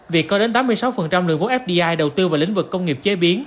việc có đến tám mươi sáu lượng vốn fdi đầu tư vào lĩnh vực công nghiệp chế biến